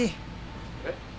えっ？